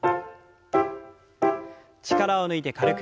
力を抜いて軽く。